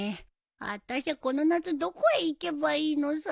あたしゃこの夏どこへ行けばいいのさ。